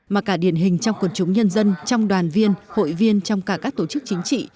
mà cả điển hình trong quần chúng nhân dân trong đoàn viên hội viên trong cả các tổ chức chính trị